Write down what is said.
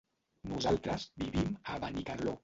Nosaltres vivim a Benicarló.